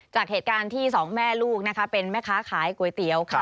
จากเหตุการณ์ที่สองแม่ลูกนะคะเป็นแม่ค้าขายก๋วยเตี๋ยวค่ะ